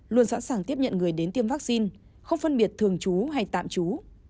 luôn sẵn sàng tiếp nhận người đến tiêm vaccine không phân biệt thường chú hay tạm chú